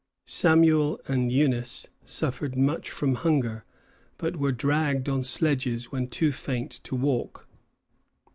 Samuel and Eunice suffered much from hunger, but were dragged on sledges when too faint to walk.